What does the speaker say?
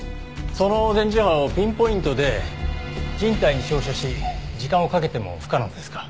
その電磁波をピンポイントで人体に照射し時間をかけても不可能ですか？